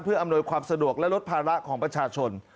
เพื่ออำนวยความสะดวกและลดภาระของประชาชน